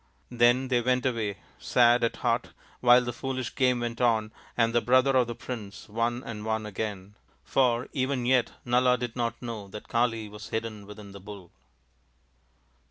Then they went away, sad at heart, while the foolish game went on and the brother of the prince won and won again. THE INDIAN STORY BOOK For even yet Nala did not know that Kali was hidden within the " Bull